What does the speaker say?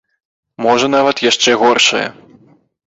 Можа нават яшчэ горшае.